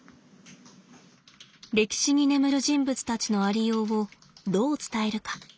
歴史に眠る人物たちのありようをどう伝えるか。